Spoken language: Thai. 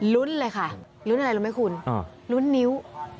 ลุ้นเลยค่ะลุ้นอะไรรู้ไหมคุณลุ้นนิ้ว